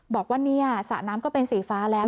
บอกว่าเนี่ยสระน้ำก็เป็นสีฟ้าแล้ว